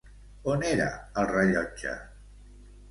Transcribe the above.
On era el rellotge?